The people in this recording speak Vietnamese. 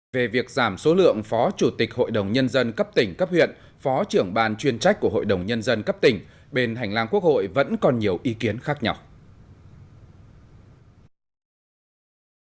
về việc giảm số lượng phó chủ tịch hội đồng nhân dân cấp tỉnh cấp huyện phó trưởng ban chuyên trách của hội đồng nhân dân cấp tỉnh bên hành lang quốc hội vẫn còn nhiều ý kiến khác nhau